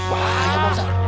wah ya pak ustadz